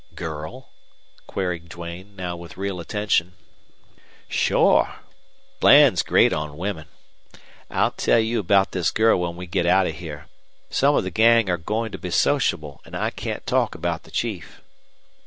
"Girl?" queried Duane, now with real attention. "Shore. Bland's great on women. I'll tell you about this girl when we get out of here. Some of the gang are goin' to be sociable, an' I can't talk about the chief."